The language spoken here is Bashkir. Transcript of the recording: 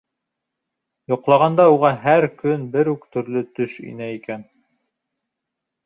Йоҡлағанда уға һәр көн бер үк төрлө төш инә икән.